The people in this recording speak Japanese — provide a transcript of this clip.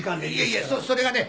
いやいやそれがね